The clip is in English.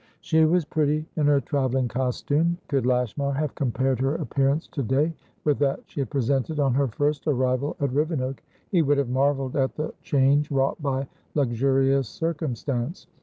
She was pretty in her travelling costume. Could Lashmar have compared her appearance to day with that she had presented on her first arrival at Rivenoak, he would have marvelled at the change wrought by luxurious circumstance.